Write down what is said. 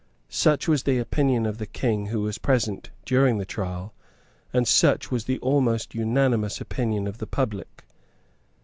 Such was the opinion of the King who was present during the trial; and such was the almost unanimous opinion of the public.